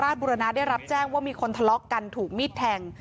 บุรณะได้รับแจ้งว่ามีคนทะเลาะกันถูกมีดแทง